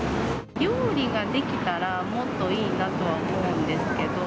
料理ができたら、もっといいなとは思うんですけど。